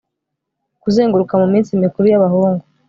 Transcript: kuzenguruka muminsi mikuru y'abahungu